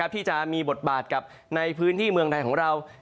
ที่จะมีบทบาทกับในพื้นที่เมืองไทยของเรา